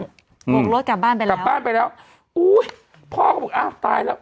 บุกรถกลับบ้านไปแล้วกลับบ้านไปแล้วอุ้ยพ่อก็บอกอ้าวตายแล้ว